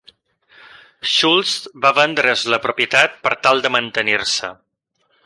Shultz va vendre's la propietat per tal de mantenir-se.